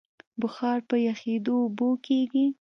بخار په یخېدو اوبه کېږي.